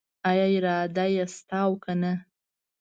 آیا اراده یې شته او کنه؟